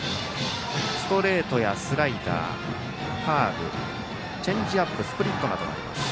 ストレートやスライダーカーブ、チェンジアップスプリットなどがあります。